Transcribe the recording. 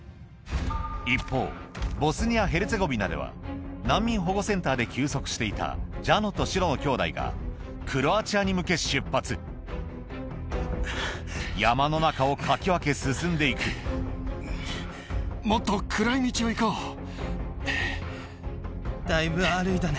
一方ボスニア・ヘルツェゴビナでは難民保護センターで休息していたジャノとシロの兄弟がクロアチアに向け出発山の中をかき分け進んで行くもっと暗い道を行こう。